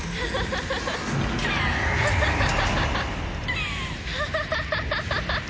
ハハハハハハハ！